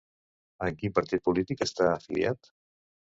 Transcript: En quin partit polític està afiliat?